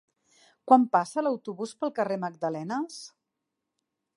Quan passa l'autobús pel carrer Magdalenes?